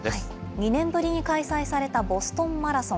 ２年ぶりに開催されたボストンマラソン。